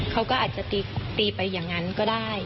เขาก็อาจจะตีไปอย่างนั้นก็ได้